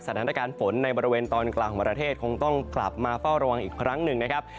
สถานการณ์ฝนในบริเวณตอนกลางของประเทศคงต้องกลับมาเฝ้าระวังอีกครั้งหนึ่งนะครับ